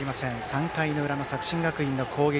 ３回の裏、作新学院の攻撃。